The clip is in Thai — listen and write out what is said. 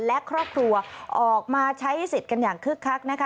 และครอบครัวออกมาใช้สิทธิ์กันอย่างคึกคักนะคะ